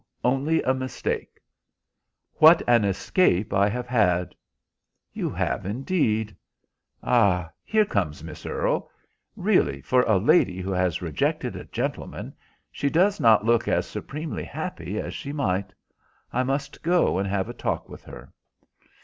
"No, only a mistake." "What an escape I have had!" "You have, indeed." "Ah, here comes Miss Earle. Really, for a lady who has rejected a gentleman, she does not look as supremely happy as she might. I must go and have a talk with her."